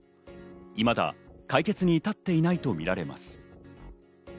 いまだ解決には至っていないとみられます。